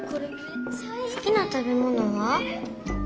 「好きな食べ物は？」。